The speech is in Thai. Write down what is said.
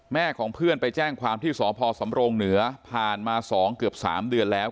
ของเพื่อนไปแจ้งความที่สพสำรงเหนือผ่านมา๒เกือบ๓เดือนแล้ว